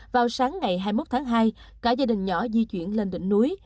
vào sáng ngày hai mươi một tháng hai cả gia đình nhỏ di chuyển lên đỉnh núi